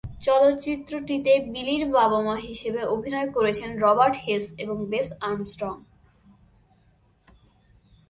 চলচ্চিত্রটিতে বিলির বাবা-মা হিসেবে অভিনয় করেছেন রবার্ট হেস এবং বেস আর্মস্ট্রং।